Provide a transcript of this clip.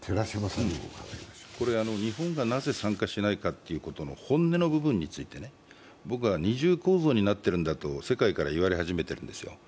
日本がなぜ参加しないということの本音の部分について、僕は二重構造になってるんだと世界から言われ始めてるんですよ。